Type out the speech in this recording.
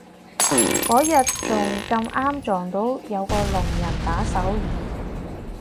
嗰日仲咁啱撞到有個聾人打手語